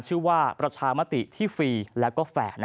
ชื่อว่าประชามติที่ฟรีและแฝด